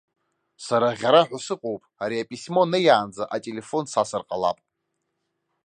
Сара аӷьараҳәа сыҟоуп, ари аписьмо неиаанӡа ателефон сасыр ҟалап.